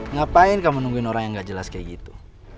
ngapain kamu nungguin orang yang gak jelas kayak gitu